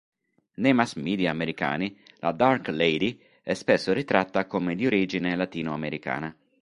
Nei mass media americani, la dark lady è spesso ritratta come di origine latinoamericana.